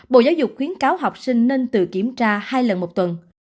bộ giáo dục khuyến cáo học sinh nên tự kiểm tra hai lần một tuần